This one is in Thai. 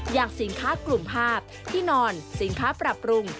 อย่างสินค้ากลุ่มภาพที่นอนสินค้าปรับปรุง